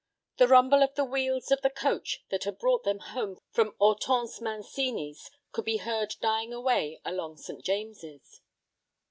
The rumble of the wheels of the coach that had brought them home from Hortense Mancini's could be heard dying away along St. James's.